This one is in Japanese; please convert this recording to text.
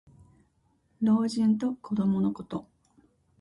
老人と子どものこと。